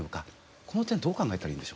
この点どう考えたらいいんでしょう。